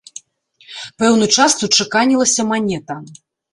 Пэўны час тут чаканілася манета.